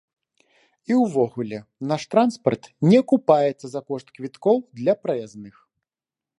І ўвогуле, наш транспарт не акупаецца за кошт квіткоў для праязных.